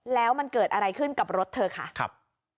แล้วมันเกิดอะไรขึ้นกับรถเธอค่ะครับ